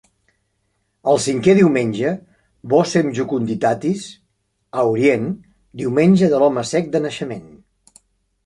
El cinquè diumenge, "Vocem jucunditatis" a Orient, diumenge de l'home cec de naixement.